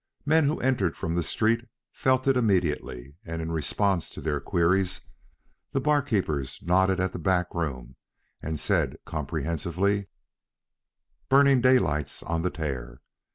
Men who entered from the street felt it immediately, and in response to their queries the barkeepers nodded at the back room, and said comprehensively, "Burning Daylight's on the tear."